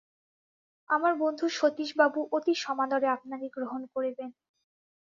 আমার বন্ধু সতীশবাবু অতি সমাদরে আপনাকে গ্রহণ করিবেন।